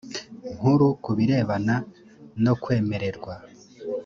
nkuru ku birebana no kwemererwa